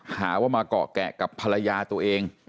หาว่ามาเกาะแกะกับภรรยาตัวเอง